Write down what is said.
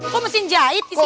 kok mesin jahit isinya